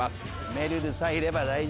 めるるさえいれば大丈夫。